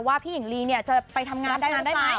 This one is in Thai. ว่าพี่หญิงลีจะไปทำงานได้ไหม